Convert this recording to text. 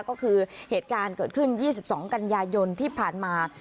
ก็คือเหตุการณ์เกิดขึ้น๒๒กันยายนที่ผ่านมา